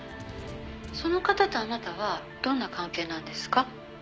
「その方とあなたはどんな関係なんですか？」